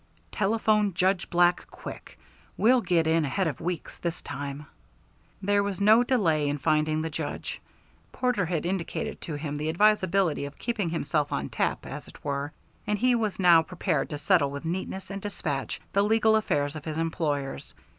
Telephone Judge Black quick. We'll get in ahead of Weeks this time." There was no delay in finding the Judge. Porter had indicated to him the advisability of keeping himself on tap, as it were, and he was now prepared to settle with neatness and despatch the legal affairs of his employers.